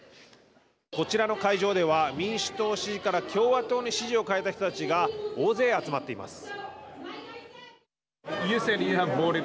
こちらの会場では民主党支持から共和党に支持を変えた人たちが大勢集まっています。